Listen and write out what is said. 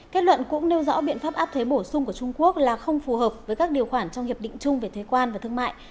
kết luận cũng nêu rõ biện pháp áp thuế bổ sung của trung quốc là không phù hợp với các điều khoản trong hiệp định chung về thuế quan và thương mại